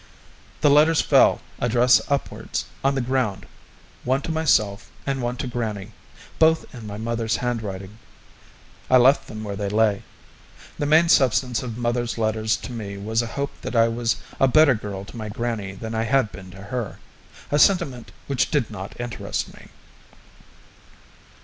The letters fell, address upwards, on the ground one to myself and one to grannie, both in my mother's handwriting. I left them where they lay. The main substance of mother's letters to me was a hope that I was a better girl to my grannie than I had been to her a sentiment which did not interest me.